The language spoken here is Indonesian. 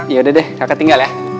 yaudah deh kakak tinggal ya